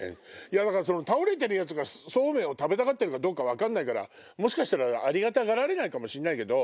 倒れてる奴がそうめんを食べたがるか分かんないからもしかしたらありがたがられないかもしれないけど。